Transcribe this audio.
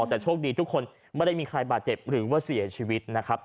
แต่โชคดีทุกคนไม่ได้มีใครบาดเจ็บหรือว่าเสียชีวิตนะครับ